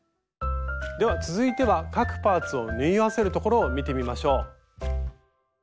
では続いては各パーツを縫い合わせるところを見てみましょう。